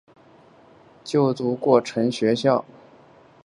就读过成城学校。